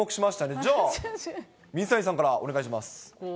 じゃあ、水谷さんからお願いします。